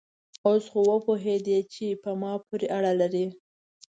اوس خو وپوهېدې چې په ما پورې اړه لري؟